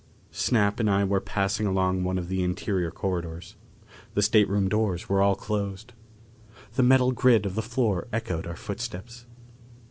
Snap and I were passing along one of the interior corridors. The stateroom doors were all closed. The metal grid of the floor echoed our footsteps.